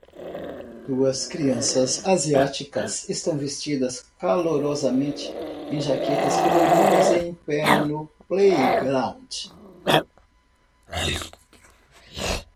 Duas crianças asiáticas estão vestidas calorosamente em jaquetas coloridas em pé no playground